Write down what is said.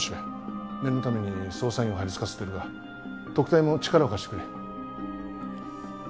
念のために捜査員を張りつかせてるが特対も力を貸してくれ。